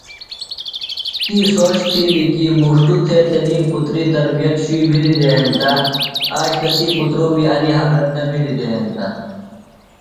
تی سوچ تِھیلیۡ کی مُݜٹوۡ تھےۡ تنیۡ تربیت شُوئی بِھلیۡ دےۡ ہینتہ آج تسی پُترومی انیۡ حالت نہ بِھلیۡ دےۡ ہینتہ۔